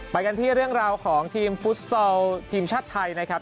ไปกันที่เรื่องราวของทีมฟุตซอลทีมชาติไทยนะครับ